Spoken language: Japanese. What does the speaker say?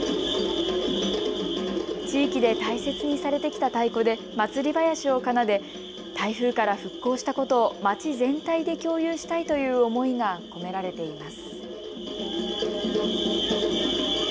地域で大切にされてきた太鼓で祭りばやしを奏で台風から復興したことを街全体で共有したいという思いが込められています。